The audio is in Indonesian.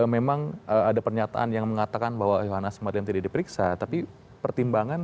memang ada pernyataan yang mengatakan bahwa yohanas mariam tidak diperiksa tapi pertimbangan